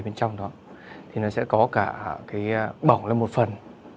nó sẽ có cả bỏng lên một phần